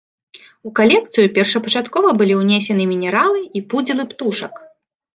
У калекцыю першапачаткова былі ўнесены мінералы і пудзілы птушак.